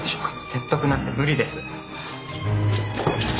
説得なんて無理です。